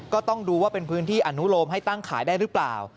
ก็ต้องดูว่าเป็นพื้นที่อนุโลมให้ตั้งขายได้หรือเปล่า